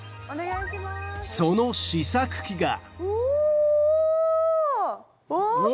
その試作機がお！